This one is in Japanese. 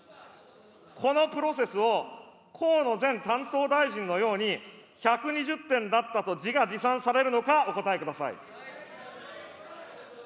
このプロセスを河野前担当大臣のように、１２０点だったと自画自賛されるのか、お答えください。